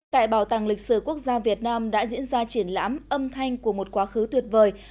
tại bảo tàng lịch sử quốc gia việt nam đã diễn ra triển lãm âm thanh của một quá khứ tuyệt vời